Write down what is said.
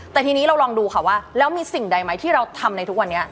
แต่ทีนี้เราลองดูค่ะว่าแล้วมีสิ่งใดไหมที่เราทำในทุกวันนี้